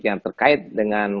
yang terkait dengan